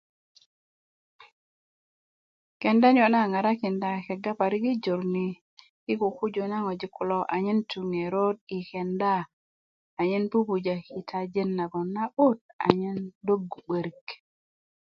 kenda niyo na a ŋarakinda kega parik i jur ni i kukuju na ŋojik kulo anyen tu ŋerot i kenda anyen pupujö kitajin nagon a na'but anyen tögu 'börik